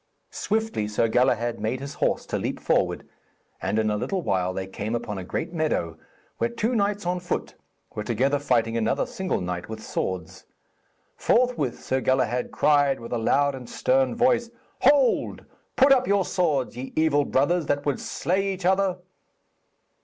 Swiftly Sir Galahad made his horse to leap forward, and in a little while they came upon a great meadow, where two knights on foot were together fighting another single knight with swords. Forthwith Sir Galahad cried with a loud and a stern voice, 'Hold, put up your swords, ye evil brothers, that would slay each other!'